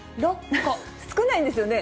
少ないんですよね。